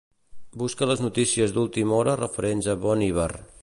Busca les notícies d'última hora referents a Bon Iver.